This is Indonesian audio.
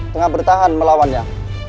tengah bertahan melawannya